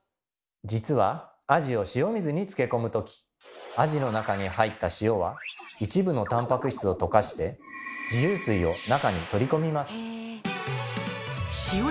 実はアジを塩水につけ込む時アジの中に入った塩は一部のたんぱく質をとかして自由水を中に取り込みます。